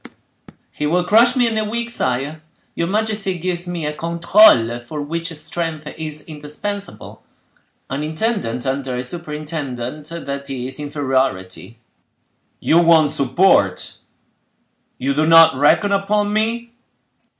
"He will crush me in a week, sire. Your majesty gives me a controle for which strength is indispensable. An intendant under a superintendent,—that is inferiority." "You want support—you do not reckon upon me?"